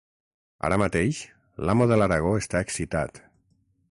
Ara mateix, l'amo de l'Aragó està excitat.